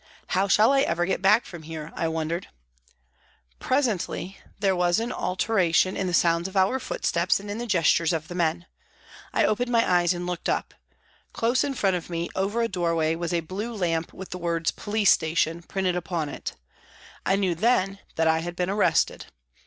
" How shall I ever get back from here," I wondered. Presently there was an altera tion in the sounds of our footsteps and in the gestures of the men. I opened my eyes and looked up. Close in front of me, over a doorway, was a blue lamp with the words " Police Station " printed upon it. I knew then that I had been arrested.